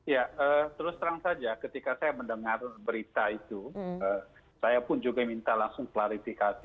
ya terus terang saja ketika saya mendengar berita itu saya pun juga minta langsung klarifikasi